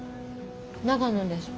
長野です。